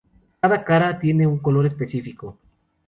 Cada cara tiene un color específico.